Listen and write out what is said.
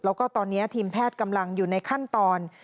แล้วก็ตอนนี้ทีมแพทย์กำลังอยู่ในขั้นตอน